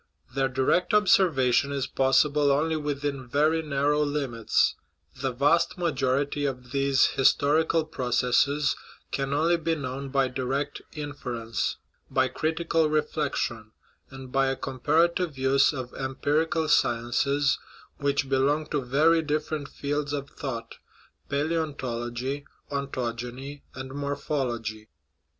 Their direct observation is possible only within very narrow limits ; the vast majority of these historical processes can only be known by direct in ference by critical reflection, and by a comparative use of empirical sciences which belong to very different fields of thought, palaeontology, ontogeny, and mor phology.